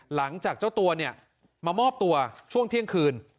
หลังจากเจ้าตัวเนี่ยมามอบตัวช่วงเที่ยงคืน